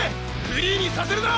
フリーにさせるな！